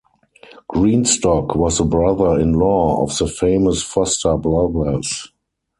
Greenstock was the brother-in-law of the famous Foster brothers.